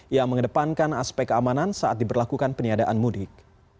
yang mengedepankan aspek keamanan saat diberlakukan peniadaan mudik